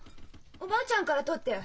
おばあちゃんから取ってよ。